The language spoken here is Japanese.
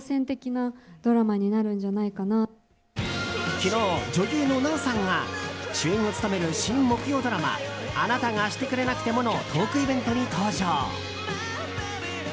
昨日、女優の奈緒さんが主演を務める新木曜ドラマ「あなたがしてくれなくても」のトークイベントに登場。